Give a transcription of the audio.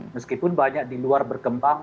meskipun banyak di luar berkembang